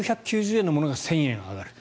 １９９０円のものが１０００円上がる。